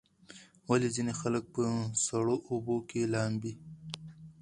ولې ځینې خلک په سړو اوبو کې لامبي؟